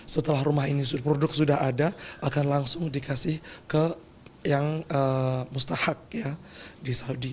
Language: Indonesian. setelah rumah ini produk sudah ada akan langsung dikasih ke yang mustahak di saudi